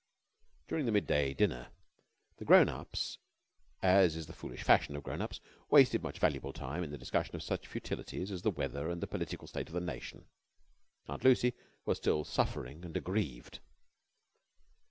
During the midday dinner the grown ups, as is the foolish fashion of grown ups, wasted much valuable time in the discussion of such futilities as the weather and the political state of the nation. Aunt Lucy was still suffering and aggrieved.